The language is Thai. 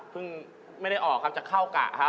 ไม่ได้ออกครับจะเข้ากะครับ